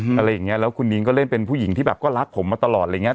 อะไรอย่างเงี้ยแล้วคุณนิ้งก็เล่นเป็นผู้หญิงที่แบบก็รักผมมาตลอดอะไรอย่างเง